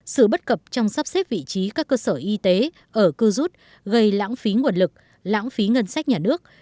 sự bất cập trong sắp xếp vị trí các cơ sở y tế ở cơ rút gây lãng phí nguồn lực lãng phí ngân sách nhà nước